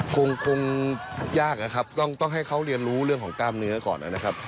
คงยากนะครับต้องให้เขาเรียนรู้เรื่องของกล้ามเนื้อก่อนนะครับ